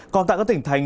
còn tại các tỉnh thành